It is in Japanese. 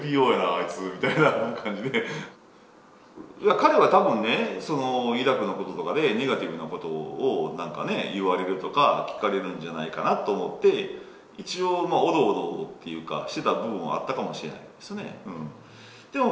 彼は多分ねイラクのこととかでネガティブなことを言われるとか聞かれるんじゃないかなと思って一応おどおどっていうかしてた部分はあったかもしれないですね。